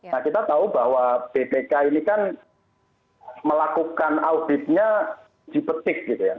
nah kita tahu bahwa bpk ini kan melakukan auditnya dipetik gitu ya